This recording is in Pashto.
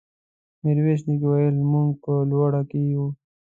ميرويس نيکه وويل: موږ په لوړه کې يو.